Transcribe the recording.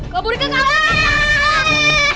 kaburin ke kamar